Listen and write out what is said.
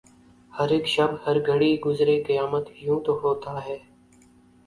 ہر اک شب ہر گھڑی گزرے قیامت یوں تو ہوتا ہے